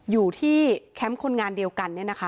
อยู่ที่แคมป์คนงานเดียวกัน